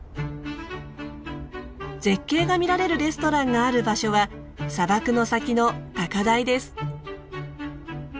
絶景が見られるレストランがある場所は砂漠の先の高台です。